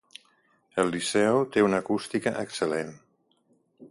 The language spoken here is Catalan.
El Liceu té una acústica excel·lent.